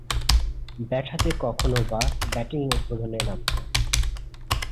Bat হাতে কখনোবা batting উদ্বোধনে নামতেন।